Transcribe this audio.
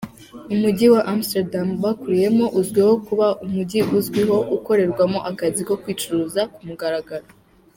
Umujyi w’Amsterdam bakuriyemo, uzwiho kuba umujyi uzwiho ukorerwamo akazi ko kwicuruza ku mugaragaro.